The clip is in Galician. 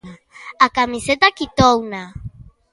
A camiseta quitouna.